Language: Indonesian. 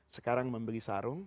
sekarang membeli sarung